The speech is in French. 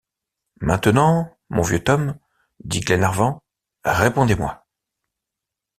Maintenant, mon vieux Tom, dit Glenarvan, répondez-moi.